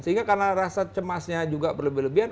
sehingga karena rasa cemasnya juga berlebihan